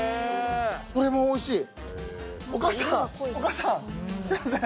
これもおいしい。